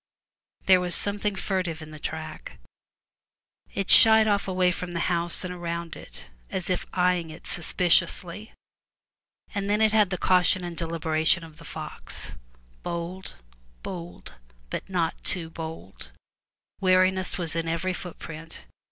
There was something furtive in the track; it shied off away from the house and around it, as if eying it suspiciously; and then it had the caution and deliberation of the fox — bold, bold, but not too bold; wariness was in every footprint.